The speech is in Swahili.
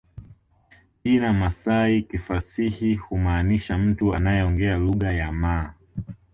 Jina Masai kifasihi humaanisha mtu anayeongea lugha ya Maa